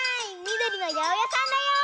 みどりのやおやさんだよ。